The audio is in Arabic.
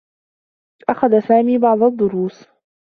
أخذ سامي بعض الدّروس.